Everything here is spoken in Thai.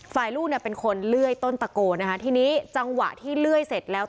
ลูกเนี่ยเป็นคนเลื่อยต้นตะโกนนะคะทีนี้จังหวะที่เลื่อยเสร็จแล้ว